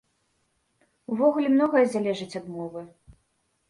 Увогуле, многае залежыць ад мовы.